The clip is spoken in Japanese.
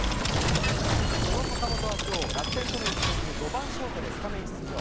その坂本はきょう、楽天との一戦に５番ショートでスタメン出場。